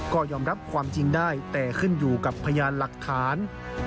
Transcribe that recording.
ก็ยอมรับความจริงได้แต่ขึ้นอยู่กับพยานหลักฐาน